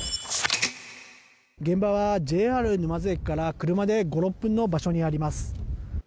現場はＪＲ沼津駅から車で５６分の場所にあります。